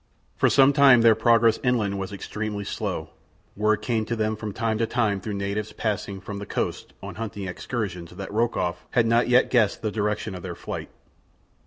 For some time their progress inland was extremely slow. Word came to them from time to time through natives passing from the coast on hunting excursions that Rokoff had not yet guessed the direction of their flight.